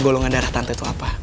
golongan darah tante itu apa